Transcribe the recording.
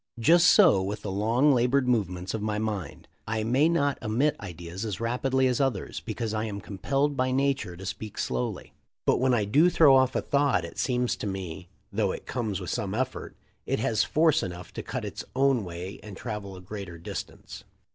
Just so with the long, labored movements of my mind. I may not emit ideas as rapidly as others, because I am compelled by nature to speak slowly, but when I do throw off a thought it seems to me, though it comes with some effort, it has force enough to cut its own way and travel a greater distance."